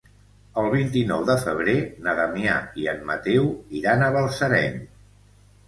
El vint-i-nou de febrer na Damià i en Mateu iran a Balsareny.